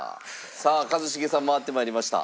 さあ一茂さん回って参りました。